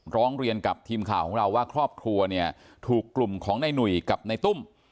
ร้องเรียนกับทีมข่าวของเราว่าครอบครัวเนี่ยถูกกลุ่มของในหนุ่ยกับในตุ้ม